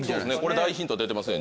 大ヒント出てますね